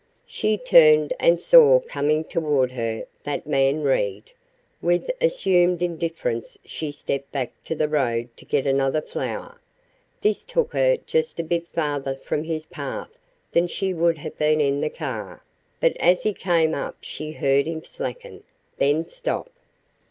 She turned and saw coming toward her that man Reed. With assumed indifference she stepped back to the road to get another flower. This took her just a bit farther from his path than she would have been in the car, but as he came up she heard him slacken, then stop.